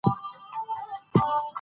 قید له فعل سره یوځای فعلي ترکیب جوړوي.